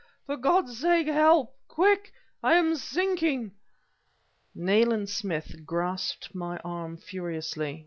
for God's sake help! Quick! I am sinking..." Nayland Smith grasped my arm furiously.